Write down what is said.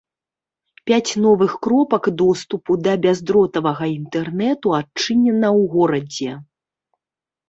Пяць новых кропак доступу да бяздротавага інтэрнэту адчынена ў горадзе.